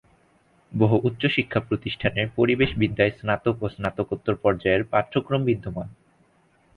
বহু উচ্চশিক্ষা প্রতিষ্ঠানে পরিবেশ বিদ্যায় স্নাতক ও স্নাতকোত্তর পর্যায়ের পাঠ্যক্রম বিদ্যমান।